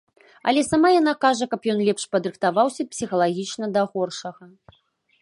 Але сама яна кажа, каб ён лепш падрыхтаваўся псіхалагічна да горшага.